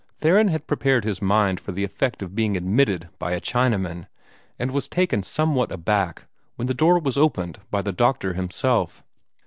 Theron had prepared his mind for the effect of being admitted by a Chinaman, and was taken somewhat aback when the door was opened by the doctor himself.